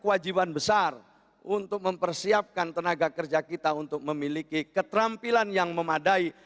kewajiban besar untuk mempersiapkan tenaga kerja kita untuk memiliki keterampilan yang memadai